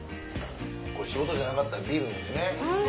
これ仕事じゃなかったらビール飲んでね。